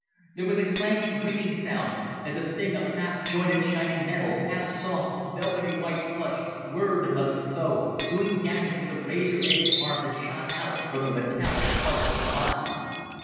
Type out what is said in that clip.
There was a clanking, ringing sound, as a thing of half jointed shining metal, half soft, velvety white flesh, whirred among the foe, doing damage with a razor edged arm that shot out from the metallic part of its body.